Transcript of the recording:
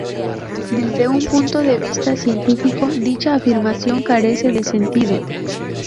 Desde un punto de vista científico, dicha afirmación carece de sentido.